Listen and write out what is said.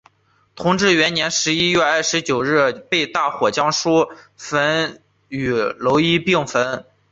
同治元年十一月二十九日被大火将书与楼一并焚毁。